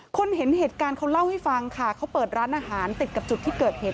คนเห็นเหตุการณ์เขาเล่าให้ฟังค่ะเขาเปิดร้านอาหารติดกับจุดที่เกิดเหตุ